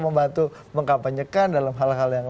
membantu mengkampanyekan dalam hal hal yang